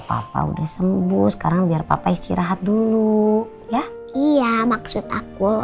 papa udah sembuh sekarang biar papa istirahat dulu ya iya maksud aku